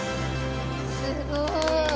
すごい！